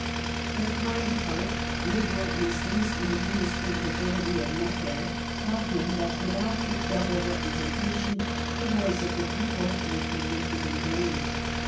The kind heart, liberal instincts, and adminis trative ability of Necker taught him that without the double representation the voice of the people might be lifted in vain.